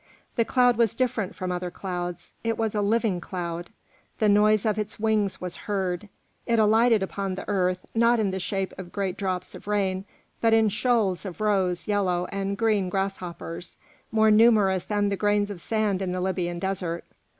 The cloud was different from other clouds, it was a living cloud; the noise of its wings was heard; it alighted on the earth, not in the shape of great drops of rain, but in shoals of rose, yellow, and green grasshoppers, more numerous than the grains of sand in the Libyan desert.